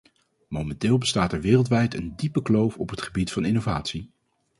Momenteel bestaat er wereldwijd een diepe kloof op het gebied van innovatie.